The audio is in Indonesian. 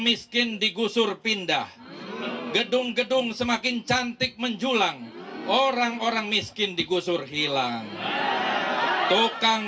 miskin digusur pindah gedung gedung semakin cantik menjulang orang orang miskin digusur hilang tukang